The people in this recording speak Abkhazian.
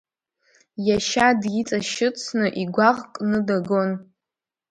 Иашьа диҵашьыцны, игәаӷ кны дагон.